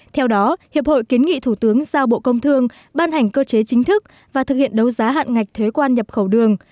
theo đó hiệp hội kiến nghị thủ tướng giao bộ công thương ban hành cơ chế chính thức và thực hiện đấu giá hạn ngạch thuế quan nhập khẩu đường